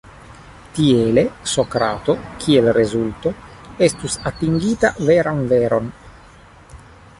Tiele, Sokrato, kiel rezulto, estus atinginta veran veron.